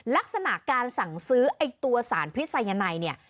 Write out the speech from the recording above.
ลักษณะการสั่งซื้อตัวสารพิษไซยันไน